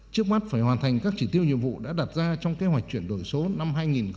trước mắt phải hoàn thành các chỉ tiêu nhiệm vụ đã đặt ra trong kế hoạch chuyển đổi số năm hai nghìn hai mươi